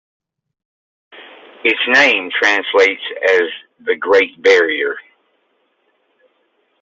Its name translates as "the Great Barrier".